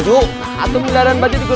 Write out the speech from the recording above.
jalan jalan jalan